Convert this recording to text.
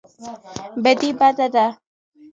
بدي بده ده.